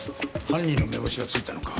犯人の目星はついたのか？